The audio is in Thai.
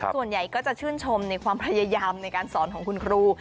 ส่วนใหญ่ก็จะชื่นชมในความพยายามในการสอนของคุณครู